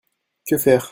Que faire ?